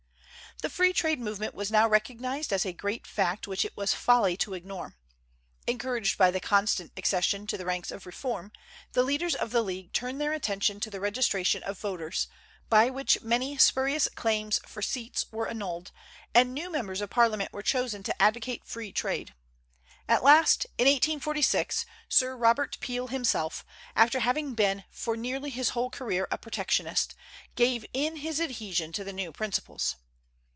The free trade movement was now recognized as a great fact which it was folly to ignore. Encouraged by the constant accession to the ranks of reform, the leaders of the League turned their attention to the registration of voters, by which many spurious claims for seats were annulled, and new members of Parliament were chosen to advocate free trade. At last, in 1846, Sir Robert Peel himself, after having been for nearly his whole career a protectionist, gave in his adhesion to the new principles.